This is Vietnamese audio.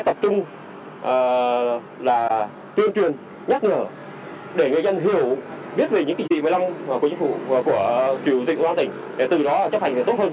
cả đoàn nghiệp giao thbling sẽlines lo chuyên truyện trong weedgide